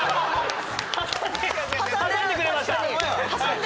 挟んでくれました。